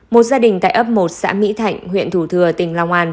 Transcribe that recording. một gia đình tại ấp một xã mỹ thạnh huyện thủ thừa tỉnh long an